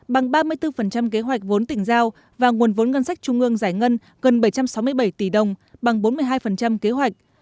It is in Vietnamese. bằng ba mươi bốn kế hoạch vốn tỉnh giao và nguồn vốn ngân sách trung ương giải ngân gần bảy trăm sáu mươi bảy tỷ đồng bằng bốn mươi hai kế hoạch